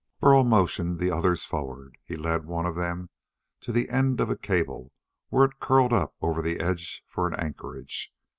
Burl motioned the others forward. He led one of them to the end of a cable where it curled up over the edge for an anchorage.